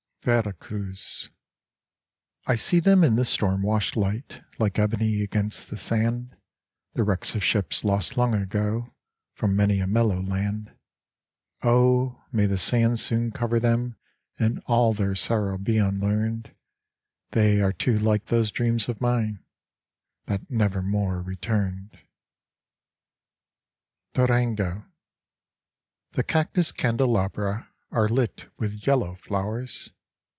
Vera Cruz I see them in the storm washed light Like ebony against the sand, The wrecks of ships lost long ago From many a mellow land. Oh, may the sand soon cover them And all their sorrow be unlearned ! They are too like those dreams of mine That nevermore returned. 79 Durango DURANGO The cactus candelabra Are lit with yellow flowers.